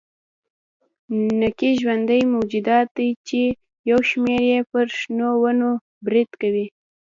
نکي ژوندي موجودات دي چې یو شمېر یې پر شنو ونو برید کوي.